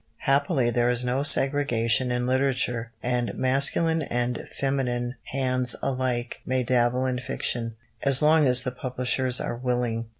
Happily there is no segregation in literature, and masculine and feminine hands alike may dabble in fiction, as long as the publishers are willing.